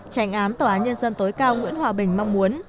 tránh án tòa án nhân dân tối cao nguyễn hòa bình mong muốn